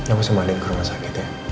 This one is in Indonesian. aku mau balik ke rumah sakit ya